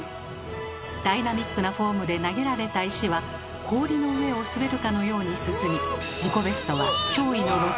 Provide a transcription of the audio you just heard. ダイナミックなフォームで投げられた石は氷の上を滑るかのように進みハッハッハッ！